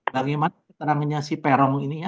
bagaimana keterangannya si perong ini